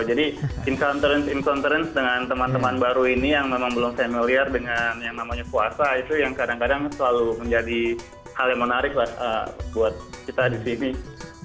jadi in conference in conference dengan teman teman baru ini yang memang belum familiar dengan yang namanya puasa itu yang kadang kadang selalu menjadi hal yang menarik buat kita disini